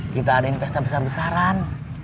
kita adain pesta besar besaran